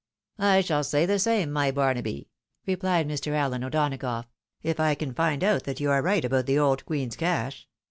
" I shall say the same, my Barnaby," repKed Mr. Allen O'Donagough, " if I can find out that you are right about the old queen's cash.